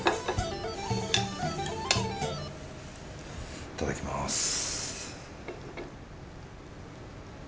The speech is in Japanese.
いただきます。